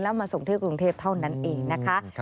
แล้วมาส่งที่กรุงเทพเท่านั้นเองนะคะ